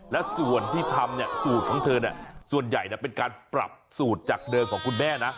แล้วส่วนที่ทำสูตรของเธอส่วนใหญ่เป็นการปรับสูตรจากเดิมของคุณแม่นะ